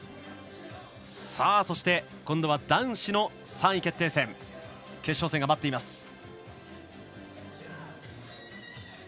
そして、今度は男子の３位決定戦決勝戦が待っています。